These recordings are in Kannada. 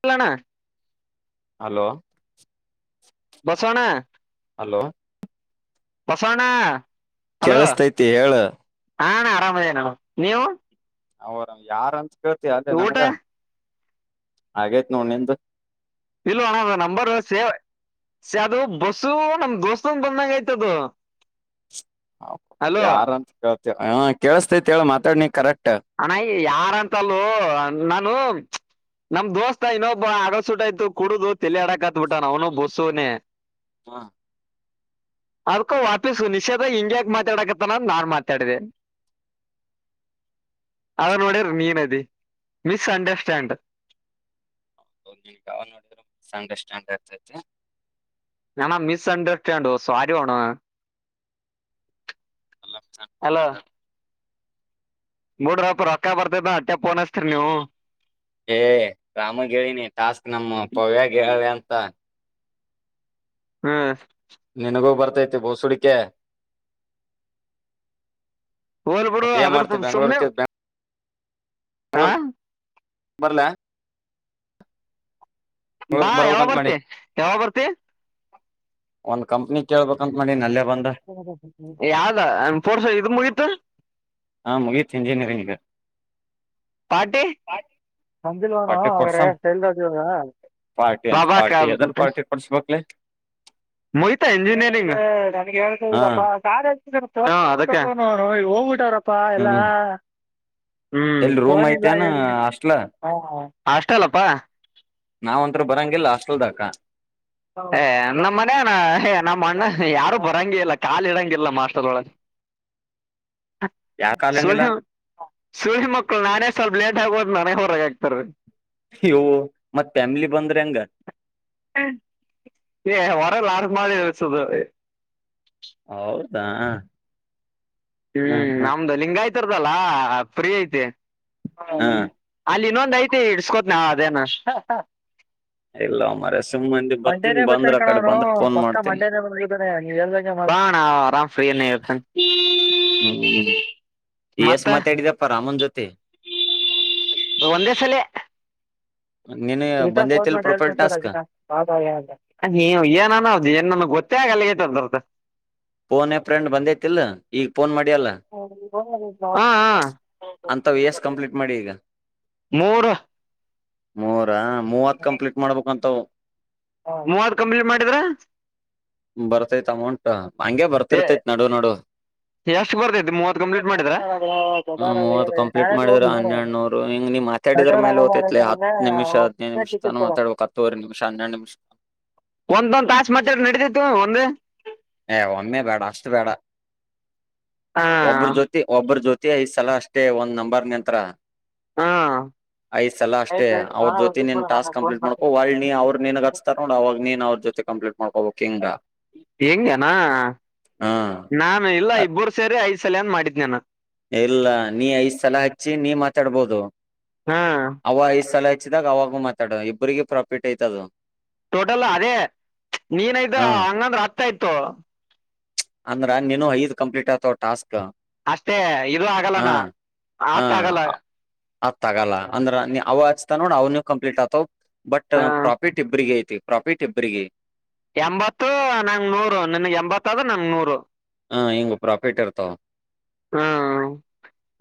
ಹಲಣ ಹಲೋ ಬಸಣ ಹಲೋ ಬಸಣ ಕೇಳಸ್ತೈತಿ ಹೇಳ ಹಾ ಆರಾಮದೇನ ನೀವು ಅವರ ಯಾರಂತ ಕೇಳ್ತಿ ಅಲ್ಲೇ ಊಟ ನನ್ಗ ಹಾಗಗೇತ್ ನೋಡ್ ನಿ್ದ ಇಲ್ವಾ ಅಣ್ಣ ಅ ನಂಬರ್ ಸೇವ್ ಸ ಅದು ಬಸ್ಸು ನಮ್ ದೋಸ್ತಂಗ ಬಂದಂಗ ಆಯ್ತದು ಹ ಯಾರಂತ ಕೇಳ್ತ ಹ ಕೇಳಸ್ತೇತಿೇಳ ಮಾತಾಡ್ನ ಕರೆಕ್ಟ್ ಅಣಯ ಯಾರಂತಲ್ಲೂ ನಾನು [inaudible] ನಮ್ ದೋಸ್ತ ಇನ್ನೊಬ್ಬ ಆಡಸುಟ ಆಯ್ತು ಕುಡುದು ತಲಿ ಆಡಕ್ ಹತ್ಬಿಟ್ಟ ನ ಅವ್ನು ಬಸ್ಸುನನೆ ಹಾ ಅದಕೋ ವಾಪೀಸು ನಿಷೇಧ ಹಿಂಗ್ಯಾಕ ಮಾತಾಡಕತ್ತ ನ ನಾನ್ ಮಾತಾಡಿದೆೇನೆ [inaudible] ಅನೋಡ ನೀೀನದಿ ಮಿಸ ಅಂಡರ್ಸ್ಟಾಂಡ್ ಅವನೋ ಅಂಡಾಂಡ್ ನನ್ಾ ಮಿಸ್ಅಂಡರ್ ಸಾರಿ ಮಾಡಣ ಎಲ್ಲ ಮಿಸ್ ಹಲೋ ಅಂಡರ್ಸ್ಟ್ಯಾಂಡ್ ಮೂಡ ರಾಪ ರೊಕ್ಕ ಬರ್ತೇದ ಅಟ್ಟೆ ಪೋನಸ್ತರಿ ನೀವು ಏ್ ರಾಮಗ್ ಹೇಳಿನಿ ಟಾಸ್ಕ್ ನಮ್ಮ ಪವ್ಯ ಹೇಳ್ರ ಅಂತ ಹ್ಮ್ ನಿನಗೂ ಬರ್ತೈತಿ ಬೋಸುಡಿಕ ಹೋಲ್ ಬಿಡು ಮತ್ತೆ ಏನ್ ಮಾಡ್ತವಿ ಬೆ್ಯಾಂಗ್ಗಳೂರ್ಕ್ಕೆ ಬ್ಯಾಂಗ ಹಾ ಬರಲ ಬಾ ಯಾವಾಗ ಬರ್ತೆ ಯಾವಾಗ ಬರ್ತಿ ಒಂದ್ ಕಂಪ್ನಿ ಕೇಳ್ಬೇಕಂತ ಮಾಡಿ ನ ಯಾವ್ದಾ ಪೋರ್ಸ ಇದ ಮುಗಿತ ಹಾ ಮುಹಿತ್ ಇಂಜಿನಿಯರಿಂಗಗೆ ಪಟಿ ಸಜಲ್ ವನ ಹೊಟ್ಟಿ ಅವರ ಕೊಡ್ಸಂ ಶೈಲ್ರಾಜು ಅವರ ಪಾರ್ಟಿ ಅಂತ ಪಾರ್ಟಿ ಎದಾರ್ ಪಾರ್ಟಿ ಕೊಡಸ್ಬೇಕಕ್ ಮಹಿತಾ ಇಂಜಿನಿಯರಿಂಗ್ ಹಾ ಸ ಹೋಗ್ಬಿಟ್ಟವ್ರಪ್ಪಾ ಎಲ್ಲಾ ಹ್ಮ್ ಹ್ಮ್ ಎಲ್ಲಿ ರೂಮ್ ಐತೆೇನ ಹಾಸ್ಟ್ಲ ಅಷ್ಟ ಅಲ್ಲಪ್ಪಾ ನಾವ್ ಒಂತ್ರ ಬರಂಗಗೆಿಲ್ಲ ಹಾಸ್ಟೆಲ್ದಕ ಏ ನಮ್ಮ ಮನಾನ ೇ ನಮ್ಮ ಅಣ್ಣ ಯಾರು ಬರಂಗ ಇಲ್ಲ ಕಾಾಲ ಇಡಂಗಿಲ್ಲ ಮಾಸ್ಟರ್ೊಳಗೆ ಹ ಸ ಸುಳಿ ಮಕ್ಕಳು ನಾನೇ ಸ್ವಲ್ಪ್ ಲೇಟ್ ಆಗೋದ್ ನನಗ್ ಹೊರಗೆ ಆಗ್ತಾರೀ ಇವು ಮತ್ತ್ ಫ್ಯಾಮಿಲಿ ಬಂದ್ರೆ ಹಂಗ ಒರ ಲಾರ ಮಾಡದಿದ ಹೌದಾ ಹ ಹ್ಮ್ ಹ ನಮ್ದು ಲಿಂಗ ಆಯ್ತರ್ದಲ್ಲ ಫ್ರೀ ಐತೆ ಹ ಅಲ್ಲಿ ಇನ್ನೊಂದ್ ಐತಿ ಇಡ್ಸ್ಕೋತ್ ನಾವವು ಅದೇನ ಇಲ್ಲ ಅಮರೆ ಸು ಮಂಡೇನೇ ಬತೇನ್ ಕಣ ಅವನು ಪ ಮಾಡ್ತೇನಿ ಮಂಡೇನ ಬಾನ ನೀವ ಎಲ್ದರಾಮ್್ರೀ ಹತ್ತ ಹ್ಮ್ ಹ್ಮ್ ಎಸ್ ಮಾತಾಡಿದಪ್ಪ ರಾಮನ್ ಜೊತೆ ಒಂದೇ ಸಲ ನೀನ್ ಬಂದೈತಿಲ್ ಏನ ಪ್ರೊಫೈಲ್ ಟಾಸ್ಕ್ ಏನ್ಮ ಗೊತ್ತ ಗಲ್ಲ ೇತ ಬರ್ತ್ತ ಫೋನ್ೇ ಫ್ರೆಂಡ್ ಬಂದೇತಿಲ್ಲ ಈಗ ಫೋನ್ ಮಾಡಿಯಲ್ಲ ಹ ಹ ಅಂತ ವಿ ಎಸ್ ಕಂಪ್ಲೀಟ್ ಮಾಡಿ ಈಗ ಮೂರು ಮೂ ಮೂವತ್ ಕಂಪ್ಲೀಟ್ ಮಾಡ್ಬೇಕು ಅಂತ್ ಹಾ ಮೂವತ್ತು ಕಂಪ್ಲೀಟ್ ಮಾಡಿದ್ರಾ ಬರ್ತೈತ್ ಅಮೌಂಟ್ ಹಂಗೆ ಬರ್ತಿರ್ತೈತ್ ನಡು ನಡು ಎಷ್ಟು ಬರ್ದೈತಿ ಮೂವತ್ ಕಂಪ್ಲೀಟ್ ಮಾಡಿದ್ರ ಹ್ ನೀನ್ ಮಾತಾಡಿದ್ರ ಮೇಲೆ ತ್ತತತ್ಲ ಹ ನಿಮಷ ಹದಿನೈ ನಿಮಷ ತಾನ ಮಾತಾಡ್ಬೇಕು ಹತ್ತವರೆ ನಿಮಿಷ ಹನ್ನೆರಡು ನಿಮಿಷ ಒಂದೊಂದ್ ತಾಶು ಮಾಚ ನಡದ ಏ ಒಮ್ಮೆ ಬೇಡ ಅಷ್ಟು ಬೇಡ ಹ ಒಬ್ಬ್ರ ಜ್ಯೋತಿ ಒಬ್ಬ್ರ ಜ್ಯೊತಿಯ ಈ ಸಲ ಅಷ್ಟೇ ಒಂದು್ ನಂಬರ್ ನಂತ್ರ ಹಾ ಐ್ ಸಲ ಅಷ್ಟೇ ಅವ್ರ ಜೊತಿ ನೀನ್ ಟಾಸ್ಕ್ ಕಂಪ್ಲೀಟ್ ಮಾಡಕೋ ವ ನೀ ಅವ್ರು ನೀನ್ ಹಚ್ಸ್ತಾರ ನೋಡ ಅವಾಗ ನೀ ಅವ್ರ ಜೊ ಕಂಪ್ೀಟ್ ಮಾಡ್ಕೋ ಕಂಗ್ಾ ಹೆಂಗಗೆನಾ ಹಾ ನಾನು ಇಲ್ಲ ಇಬ್ಬರು ಸೇರಿ ಐದ್ ಸಲ ಅನ್ ಮಾಡಿದ್ನಾನ ಇಲ್ಲ ನೀ ಐದ್ ಸಲ ಹಚ್ಚಿ ನೀ ಮಾತಾಡ್ಬೋದು ಹಾ ಅವ ಐದ್ ಸಲ ಹಚ್ಚಿದಾಗ ಆವಾಗ ಮಾತಾಡೋ ಇಬರಿಗೆ ಪ್ರಾಫಿಟ್ ಯ್ತದು ಟೋಟಲ್ ಅದೇ ನೀನ್ಯ್ತ ಹಾ ಹಂಗಂದ್ರೆ ಹತ್ತಯ್ತು ಅಂದ್ರ ನೀನು ಐದ್ ಕಂಪ್ಲೀಟ್ ಆತವ ಟಾಸ್ಕ್ ಅಷ್ಟೇ ಇಲ್ ಹ ಆಗಲ್ಲನ ಆತ ಆಗಲ್ಲ ಆತ್ ಆಗಲ್ಲ ಅಂದ್ರ ನೀ ಅವ ಆಚ್ತ ನೋಡ ಅವನ ಕಂಪ್ಲೀಟ್ ಆತವ್ ಬಟ್ ಹಾ ಪ್ರಾಫಿಟ್ ಇಬ್ರಗ ಪ್ರಾಫಿಟ್ ಇಬ್ಬ್ರರಿಗೆ ಎಂಬತ್ತು ನಂಗೆ ನೂರು ನಿನ್ಗೆ ಎಂಬತ್ತದು ನಂಗೆ ನೂರು ಹ ಹಂಗ ಪ್ರಾಫಿಟ್ ಇರ್ತಾವ ಹ್ಮ್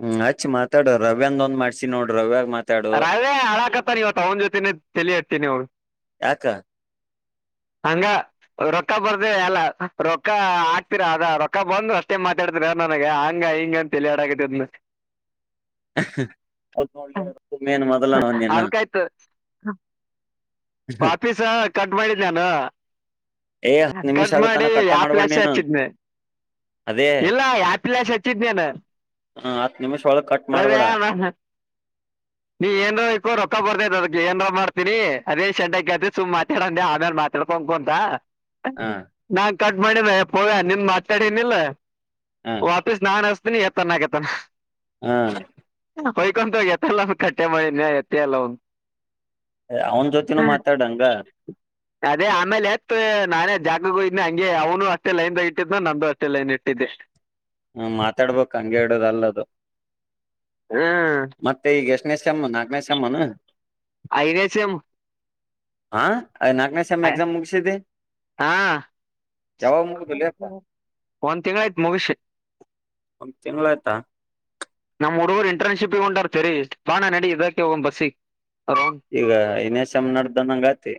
ಹ್ಮ್ ಮಾತಾಡ ರವ್ಯಂದ ಮಾಡಸಿ ನೋಡ್ರ ರವ್ಯಾ ರಾವೇ ಹಳಕತಾನ ಇವತ್ತು ಅವನ ಜೊತೆನೆ ತಲಿ ಹಡ್ತೀನಿ ಅವ ಯಾಕ ಹಂಗ ರೊಕ್ಕ ಬರ್ದ ಎಲ್ಲ ರೊಕ್ಕ ಆಕ್ತೀರ ಅದ ರೊಕ್ಕ ಬಂದು ಅಷ್ಟೇ ಮಾತಾಡ್ ದ್ರ ನನಗೆ ಹಂಗ ಹಿಂಗ ಅಂತ್ ತಲೆ ಆಡಕತ್ತೈತ್ಲೆ ಹಹ್ಹ ಹೌದ್ ನೋಡ್ಲೆ ಹಹ್ಹ ಅದ್ಕಾಯ್ತ ವಾಪೀಸ ಕಟ್ ಮಾಡಿದ್ ನಾನು ಏ ಹತ್ ನಿಮಿಷ ಕಟ್ ಆಗತಾನ ಮಾಡಿ ಕಟ್ಟ ಆ ಮಾಡ್ಬೇಡ ಪ್ಲೇಸೆ ನೀನು ಹಚ್ಚಿದ್ನೇ ಅದೇ ಇಲ್ಲ ಯಾಪ್ಲೆಸಚ್ಚಿದ್ನೇನ್ ಹಾ ಹತ್ ನಿಮಿಷ್ ಒಳಗ್ ಕಟ್ ಮಾಡ್ಬೇಡ ನಾನ್- ನೀ ಏನ್ರ ಹೊಯ್ಕೋ ರೊಕ್ಕ ಬತೈತ್ ಅದಕ್ಕೆ ಏನ್ರ ಮಾಡ್ತೀನಿ ಅದೇ ಶೆಟಕಂತಿ ಸುಮ್ಮಾತಾಡಂದೆ ಆಮ್ಯಾಲ್ ಮಾತಾಡ ಕು ಅಂತ ಹ ನಾ ಕಟ್ ಮಾಡಿದ್ದ ಏ ಪವ್ಯಾ ನಿನ್ ಮಾತಾಡಿನಿಲ್ಲ ಹ ವಾಪೀಸ್ ನಾನ್ ಹಸ್ತೀನಿ ಎತ್ತನ್ನಾಕತ್ಯನ ಹಾ ಹೊಯ್ಕೊಂತ ಎತ್ತಲ್ಲ ಕಟ್ಟೆ ಮಾಡನ್ಯ ಎತ್ತೆ ಇಲ್ಲ ಅವ್ನು ಎ ಅವ್ನ್ ಜೊತಿನು ಮಾತಾಡಂಗ ಅದೇ ಆಮೇಲೆ ಎತ್ ನಾನೇ ಜಾಗ್ಳುಗೋಗಿದ್ನಿ ಹಂಗೆ ಅವ್ನು ಅಷ್ಟೇ ಲೈನ್ದಾಗ ಇಟ್ಟಿದ್ನ ನಂದು ಅಷ್ಟೇ ಲೈನ್ ಇಟ್ಟಿದ್ದಿ ಹಾ ಮಾತಾಡ್ಬೇಕು ಹಂಗೆ ಇಡುದಲ್ಲದು ಹ್ಮ್ ಮತ್ತೆ ಈಗ ಎಷ್ಟ್ನೇ ಸೆಮ್ಮು ನಾಕ್ನೆ ಸೆಮ್ಮನ ಐದೇ ಸೆಮ್ ಹಾ ಅಯ್ ನಾಕ್ನೆ ಸೆಮ್ ಎಕ್ಜಾಮ್ ಮುಗ್ಸಿದ್ದಿ ಹಾ ಒಂದ್ ತಿಂಗ್ಳಾಯ್ತ್ ಮಗಷಿ ಒಂದ್ ತಿಂಗ್ಳಾಯ್ತಾ ನಮ್ಮ್ ಹುಡ್ಗುರ್ ಇಂಟರ್ನ್ಶಿಪ್ಪಿಗ್ ಗೊಂಟಾರ್ ಚೆರಿಸ್ಟ್ ಬಾಣ ನಡಿ ಇದಕ್ಕೆ ಹೋಗುಮ್ ಬಸ್ಸಿಗೆ ರೌಂಡ್ ಈಗ ಇನ್ಯಾ ಸೆಮ್ ನಡ್ದ ಅನ್ನಂಗಾತಿ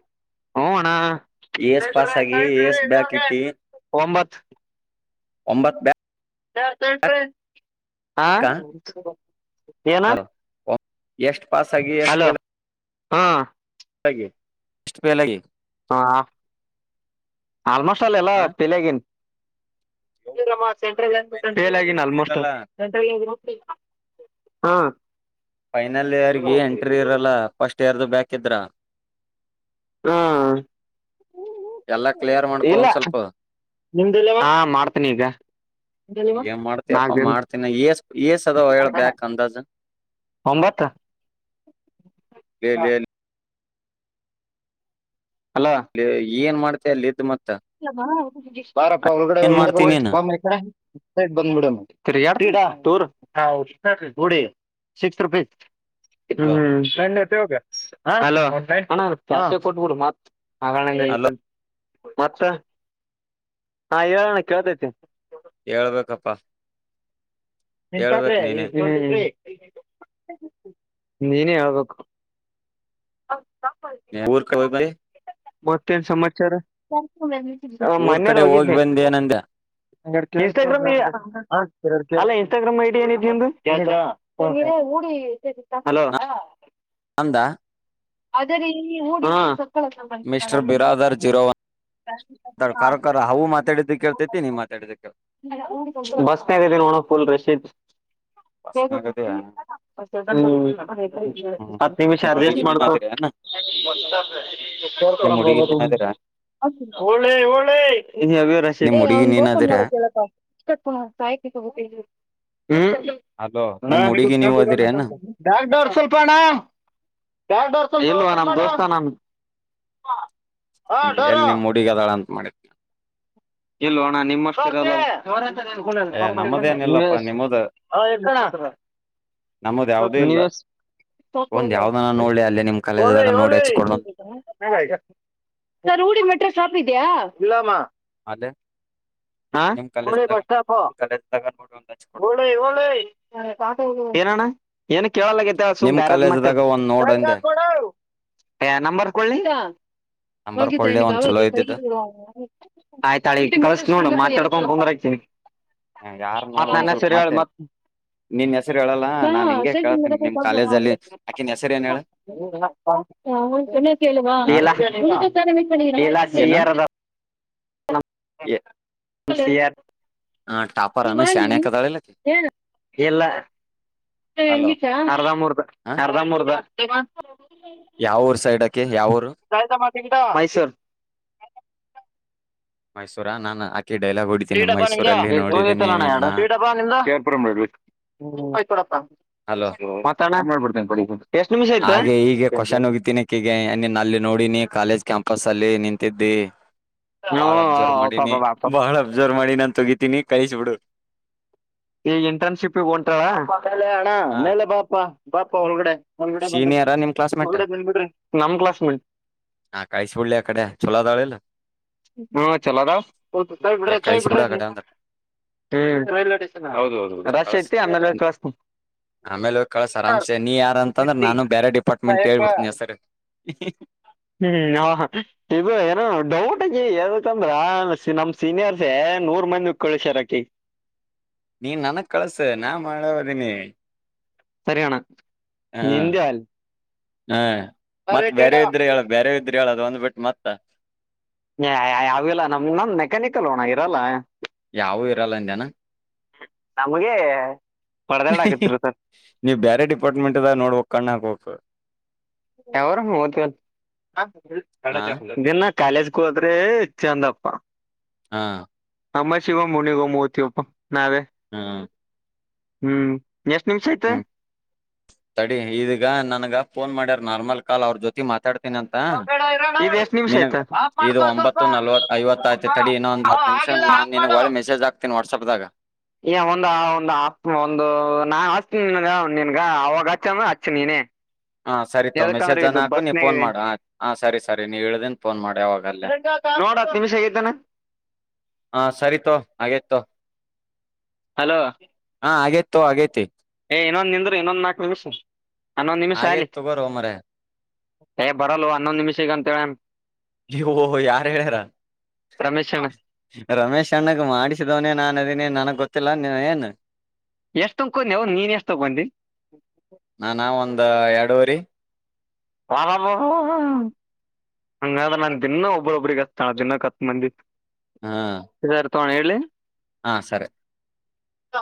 ಹ್ಞೂ ಅಣ್ಣ ಇ ಎಸ್ ಪಾಸಾಗಿ ಎ ಎಸ್ ಬ್ಯಾಕಿಟ್ಟಿ ಒಂಬತ್ ಒಂಬತ್ ಬ್ಯ್ ಚರ್ಸೆಂಟ್ರಿ ಆ ಬ್ಯಾಕ್ ಏನ ಅಲೋ ಎಷ್ಟ್ ಪಾಸಾಗಿ ಎಷ್ಟ್ ಹಲೋ ಪೇಲ ಹಾ ಅಗಿ ಷ್ಟ್ ಪೇಲಗಿ ಹಾ ಆಲ್ಮೋಸ್ಟ್ ಅಲ್ಲೆಲ್ಲ ಹ ಪೇಲಾಗಿನಿ ಸೆಂಟ್ರಲ್-----ಪೇಲಾಗಿನಿ ಆಲ್ಮೋಷ್ಟ ಇರಲ್ಲ ಸ್ಮೆಂಟ್ರಲ್ಲಿಗ್ ಹಾ ಫೈನಲ್ ಹಾ ಯಿಯರ್ಗಿ ಎಂಟ್ರಿ ಇರಲ್ಲ ಫಸ್ಟ್ ಯಿಯರ್ದು ಬ್ಯಾಕ್ ಇದ್ರ ಹಾ ಎಲ್ಲಾ ಕ್ಲಿಯರ್ ಮಾಡ್ಕೊ ಇಲ್ಲ ಒಂದ್ ಸ್ವಲ್ಪ ನಿಂದ್ ಇಲ್ಲವಾ---ಹಾ ಮಾಡ್ತಿನೀಗ ಏನ್ ಮಾಡ್ತೀಯಪ್ಪಾ ಮಾಡ್ತಿನ ಏಸ್ ಏಸ್ ಅದವಾ ಹೇಳ್ ಬ್ಯಾಕ್ ಅಂದಾಜ ಒಂಬತ್ತ್ ಲೇ ಲೇ ಲ್ ಹಲೋ ಏನ್ ಮಾಡ್ತೀಯ ಅಲ್ಲಿದ್ ಮ್ ಬಾರಪ್ಪ ಒಲ್ಗಡೆ ಓಗ್ ಏನ್ ಮಕ್ಕೊ ಮಾಡ್ತೀನಿ ನೀನ್ ಬಾ ಮಕ್ಕೊ---ಸೈಡ್ ಬಂಬಿಡಮ್ಮ್ ತ್ರೀಯಾರ್ ತೂರ್ ಉಡಿ ಸಿಕ್ಸ್ ರುಪೀಸ್ ಹಲೋ ಹ್ಮ್--ಅಲೋ--ಅಣ ಹಾಗಣ ಹಲೋ ಮತ್ತ ಹಾ ಹೇಳಣ ಕೇಳತೈತಿ ಹೇಳ್ಬೇಕಪ್ಪಾ ಇಂಶೋಟ್ರಿ ಹೇಳ್ಬೇಕ್ ಈ ನೀನೇ ನೀನೇ ಹೇಳ್ಬೇಕು [inaudible] ಊರ್ ಕಡೆ ಹೋಗ್ ಬಂದಿ ಮತ್ತೇನ್ ಸಮಾಚಾರ ಊರ್ ಮನ್ನೆರ್ ಕಡೆ ಹೋಗಿ ಬಂದ ಏನಂದೆ ಹೋಗಿದ್ವಿ--ಇನ್ಸ್ಟಾಗ್ರಾಮ್ ಎರ್ಡ್ ಕೆ---ಅಲ್ಲ ಇನ್ಸ್ಟಾಗ್ರಾಮ್ ಐಡಿ ಏನೈತ್ ನಿಂದು----ಏನ--ಅಲೋ ನಂದಾ ಆದರೆ ಹಡ ಸಕ್ಕಳ ಸಂಬಿಸ ಅಲ್ಲಿಂದ ತರಕಾರ ಹಾವು ಮಾತಾಡಿದ ಕೇಳ್ತೈತಿ ನೀ ಮಾತಾಡಿದ ಕೇಳ್ ಬಸ್ನ ಇದಿದ್ದೀನ ನೋಣಫುಲ್ ರಶೀದ್ ಬಸ್ನಾಗದ ಮ ಹ್ಮ್ ನಿಮಷ ನಿಮ್ ಹುಡುಗಿ ಅರ್ಜಸ್ಟ್ ನೀನ್ ಮಾಡ್ಕ [unintelligible] ಅದಿರೇನ ನಿಮ್ ಹುಡುಗಿ ನೀನ್ ಅದಿರಾ [unintelligible] ನಿಮ್ ಹುಡುಗಿ ಅವ್ನ್ ನೀನ್ ಒಪನ್ ಅದಿರಾ ಮಾಡಪ್ಪ ಗಬ [unintelligible] ಅಲೋ ನಿಮ್ ಹ್ಮ ಹುಡುಗಿ ನೀವ್ ಅದಿರೇನ ಸ್ವಲ್ಪ ಅಣ್ಣ ಇಲ್ವಾ ನಮ ದೇವಸ್ತ ಹ್ಮ ಎಲ್ಲಿ ನಿಮ್ ಹುಡುಗಿಅದಲಾ ಅಂತ ಮಾಡಿದ ಇಲ್ವ ಅಣ್ಣ ನಿಮ್ಮಷ್ಟಲ್ಲ ಏ ನಮ್ಮದೇನಿಲ್ಲಪ್ಪಾ ಹ [unintelligible] ನಮ್ಮದ ಯಾವದೇ ಇಲ್ಲ ಒಂದ್ ಯಾವ್ದನ ನೋಡ್ಲಿ ಅಲ್ಲೇ ನಿಮ್ ಒಲ ಕಾಲೇಜ್ದಾಗ ಒಲ ನೋಡಿ ಹಚ್ಚಿ ಕೊಡು ಸೂಡಿ ಮಟ್ರ ಶಾಪ್ ಇದೆಯಾ ಇಲಮಾ ಅದೇ ಹ [unintelligible] ಕಾಲೇಜ್ದಾಗ ನೋಡಿ ಒಂದ್ ಹಚ್ಕೊಡು ಏನಣ್ಣ ಏನ ಕೇಳಲಗೈತೆ ಸುಮ್ ನಿಮ್ ಬ್ಯಾರ ಮಕ್ಕಳ ಕಾಲೇಜ್ದಾಗ ಒಂದ್ ನೋಡ್ ಅಂದೆ ಹೆ ನಂಬರ್ ಕೊಳ ನಂಬರ್ ಕೊಡ್ಲಿ ಒಂದ್ ನಿಂದ ಚಲೋ ಇದ್ದಿದ್ದ ಳಿ ಕಳಸ ನೋಡು ಮಾತಾಡ್ಕೊಂಡ್ ಬಂದತನಿ ಯಾರ್ ನೋಡ್ ಮತ್ತ್ ಒಂದ್ ನನ್ನ ಸ್ವಲ್ಪ ಸರಿ ಹೇಳಿ ಮತ್ತೆ ಮತ್ ನಿನ್ ಹೆಸರು ಹೇಳಲ್ಲ ನಾನ್ ಹಿಂಗೆ ಕೇಳ್ತೇನಿ ನಿಮ್ ಕಾಲೇಜ ಅಲ್ಲಿ ಆಕಿನ್ ಹೆಸರು ಏನ್ ಹೇಳ [unintelligible] ಹ ಕೇಳುವ ಹ [unintelligible] [unintelligible] ಎ ಅನ ಶಾಣ್ಯಕ್ ಅದಾಳಿಲ್ಲಕಿ ಎಲ್ಲ [unintelligible] ಹಲೋ ಅರ್ಧರು ಅರ್ಧ ಮೂರುದ ಯಾವರ್ ಸೈಡ್ಕ್ಕೆ ಯಾವರ್ ಜಾಯತ ಮಾಡತಟ ಆಯಸರ್ ಮೈಸೂರಾ ನಾನನ್ ಶೀಡಬ ನಿ [unintelligible] ನಿನ್ನ ಆಯ್ತ ಕೊಡಪ್ಪಾ ಹಲೋ ಮತ್ತ ಮಾಡಬಡ್ತೇ ಎಷ್ಟ್ ನಿಮಿಷ ಆಯ್ತಾ ಹಾಗೆ ನೋಡಿ ನೀ ಕಾಲೇಜ್ ಕ್ಯಾಂಪಸ್ ಸಲ್ಲಿ ನಿಂತಿದ್ದಿ ಹ್ಞೂ ಬಾಳ ಅಬ್ಸರ್ವ್ ಪಾಪ ಮಾಡಿನಿ ಪಾಪ ಬಾಳ್ ಅಬ್ಸರ್ವ್ ಮಾಡಿ ತಗ ತಿನಿ ಕೈಚಬಡು ಈ ಇಂಟರ್ನ್ಶಿಪ್ ಹೊಂಟಣ್ಣ ಹ ಮೇಲೆಪ ಬಾಪ ಹೊರಗಡೆ ಮುಳಗಡೆ ಬಂದ್ರಿ ಸೀನಿಯರಾ ನಿಮ್ ಕ್ಲಾಸ್ಮೇಟ್ ಮುಗಡೆ ಬಂದ್ಬಿಡ್ರಿ ನಮ್ ಕ್ಲಾಸ್ ಮಂ ಹಾ ಕಳಿಸಿಬಡ್ಲಿ ಆ ಕಡೆ ಚಛೋಲ ದಾಳೆಲ್ಲ ಹಾ ಚಲೋದಾವ ಏ ಬಿ್ರ ಕಳಿಸಿ ಬಿ್ರ ಬಿಡ ಆ ಕಡೆ ಅಂದ್ರ ಹ್ಮ್ ರೈಲ್ವೆ ಸ್ಟೇಷನ್ ಹೌದು ಹೌದು ರಶ ಕಳಸ ಐತಿ ಆಮೇಲೆಸ್ ಆಮೇಲೆ ಕಳಸ ಆರಾಮ್ಸೆ ನೀ ಯಾರ ಅಂತ ಅಂದ್ರೆ ನಾನು ಬೇರೆ ಡಿಪಾರ್ಟ್ಮೆಂಟ್ ಹೇಳ್ಬಿಡ್ತೀನಿ ಸರ್ ಹ್ಮ್ ಹ ಹ ಇ ಹ ಡೌಟ್ ಆಕಿ ಎದಕಂದ್ರ ನಮ್ ಸೀನಿಯರ್ಸ್ ನೂರ್ ಮಂದಿ ಕಳಸಾರಕಿ ನೀನ್ ನನಗ್ ಕಳಸ ನಾ ಮಾಡವ್ದೀನಿ ಸರಿಯಣ ನಿಂದಲ್ ಹ್ಮ ಮತ್ತೆ ಬೇರೆ ಇದ್ರೆ ಹೇಳ ಬೇರೆ ಇದ್ರೆ ಹೇಳದು ಒಂದ್ ಬಿಟ್ಟು ಮತ್ತ ಯಲ್ಲ ನಮ್ ನಮ್ ಮೆಕ್ಯಾನಿಕಲ್ ಹೋಣ ಇರಲ್ಲ ಯಾವ ಇರಲ್ಲಂದನಾ ನಮಗೆ ಪಡೆದಾಡಕತ್ತಿರ್ತಾರ ನೀವ್ ಬೇರೆ ಡಿಪಾರ್ಟ್ಮೆಂಟ್ದ ನೋಡ್ುವ ಕಣ್ಣ ಹಕ ಹತ ಯರು ಹ ಕಾಲೇಜ್ಗೆ ಹೋದ್ರೆ ಚಂದಪ್ಪ ಹಾ ಅಮ್ಮ ಶಿವ ಮುನಗ ಮೂತಿ ನಾವ ಹ್ಮ್ ಹ್ಮ್ ಎಷ್ಟ್ ನಿಮಿಷ ಆಯ್ತ ಹ್ಮ್ ಸಡಿ ಇದಗ ನನ್ಗ ಫೋನ್ ಮಾಡ್ಯಾರ ನಾರ್ಮಲ್ ಕಾಲ್ ಅವ್ರ ಜೊತಿ ಮಾತಾಡ್ ಇದ್ ಎಷ್ಟ್ ನಿಮಿಷ ನಿನಗ್ ಆಯ್ತ ಆಫ್ ಇದು ಮಾಡ್ಕೋ ಸ್ವಲ್ಪ ಒತ್ತು ನಲ್ವ ಐವತ್ತುತಿ ತಡಿ ಇನ್ನೊ ಒಂದ್ ಆ, ಹತ್ತು ನಿಮಿಷ ಆಗಿಲ್ಲ ನನ್ ನಿನ್ಗ್ ಒಳ್ಳ ಮೆಸಜ್ ಹಾತನಿ ವಾಟ್ಸಾಪ್್ದಾಗ ಈ ಒಂದ ಒಂದು ಒಂದು ನಾ ನನ್ಗೆ ಅವಗಚ್ಚಾಮ ಅಚ್ಚು ನೀನೆ ಹ ಸರಿತೋ ಮೆಸೇಜ್ ಅನ ಹಾಕು ನೀವು ಫೋನ್ ಇದೆ ಮಾಡ ಹ ಸರಿ ಸರಿ ನೀವ ಹೇಳ್ದನ್ ಫೋನ್ ಮಾಡಿ ವಾಗಲ್ಲೇ ನೋಡ ಹತ್ತು ನಿಮಿಷ ಆಗೈತನ ಹ ಸರಿತು ಹಾಗೇತು ಹಲೋ ತ ಆಗೇತಿ ಏ ಇನ್ನೊಂದ ನಿಂದ್ರು ಇನ್ನೊ್ ನಾಲ್ಕು ದಿವ್ಸ ಹಾಗೇ ತಗೋರ್ ಮರ ಏ ಬರಲ್ ಹನ್ನೊಂದ್ ನಿಮಿಷ ಈಗ ಅಂತ ಹೇಳ ಓಹೋ ಯಾರು ಹೇಳಾರ ರಮೇಶ್ ರಮೇಶ್ ಅಣ್ಣಗ ಮಾಡಿಸಿದವನನೆ ನಾನು ಅದನಿ ನನಗ್ ಗೊತ್ತಿಲ್ಲ ನೀ ಏನ್ ಎಷ್ಟ್ ತಗೊಂಡಿ ಅವ್ ನೀನ್ ಎಷ್ಟ್ ತಗೊಂಡಿ ನಾನ ಒಂದ ಎರಡೂರಿ ಹ ಹಂಗ್ರ ನಾನ್ ದಿನ ಒಬ್ಬ್ರೊಬ್ಬ್ರಿಗೆ ಹತಳ ದಿನ ಕತ್ ಬಂದಿತ್ ಹಾ ತಣ ಹೇಳಿ ಹಾ ಸರಿ ಹ